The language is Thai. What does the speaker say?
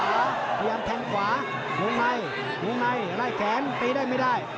พยายามแทงขวาวงในวงในไล่แขนตีได้ไม่ได้